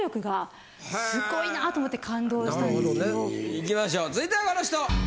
いきましょう続いてはこの人！